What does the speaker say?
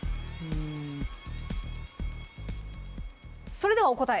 それではお答え